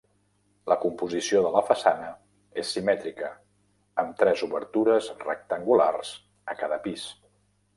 La composició de la façana és simètrica, amb tres obertures rectangulars a cada pis.